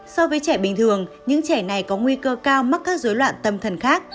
so với trẻ bình thường những trẻ này có nguy cơ cao mắc các dối loạn tâm thần khác